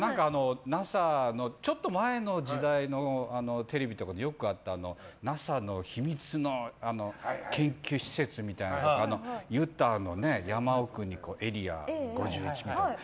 ＮＡＳＡのちょっと前の時代のテレビとかでよくあった、ＮＡＳＡの秘密の研究施設みたいなのとかユタの山奥にエリア５１みたいな。